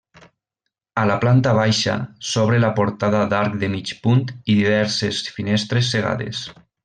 A la planta baixa s'obre la portada d'arc de mig punt i diverses finestres cegades.